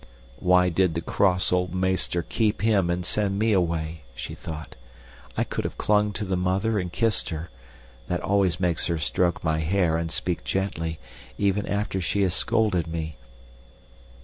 Why did the cross old meester keep him and send me away? she thought. I could have clung to the mother and kissed her. That always makes her stroke my hair and speak gently, even after she has scolded me.